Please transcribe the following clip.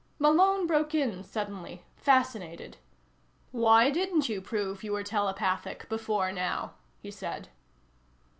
Malone broke in suddenly, fascinated. "Why didn't you prove you were telepathic before now?" he said.